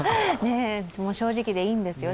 正直でいいんですよ。